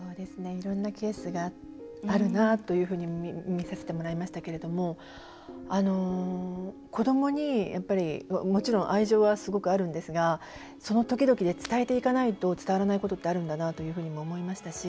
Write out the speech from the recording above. いろんなケースがあるなというふうに見させてもらいましたけど子どもにもちろん愛情はすごくあるんですけどその時々で、伝えていかないと伝わらないこともあるんだなと思いましたし